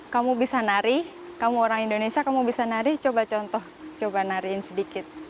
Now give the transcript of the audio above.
kamu bisa nari kamu orang indonesia kamu bisa nari coba contoh coba nariin sedikit